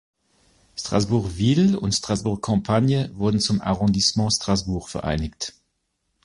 Strasbourg-Ville und Strasbourg-Campagne wurden zum Arrondissement Strasbourg vereinigt.